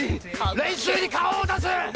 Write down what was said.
練習に顔を出す！